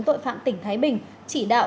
tội phạm tỉnh thái bình chỉ đạo